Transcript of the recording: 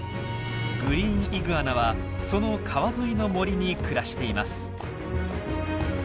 グリーンイグアナはその川沿いの森に暮らしています。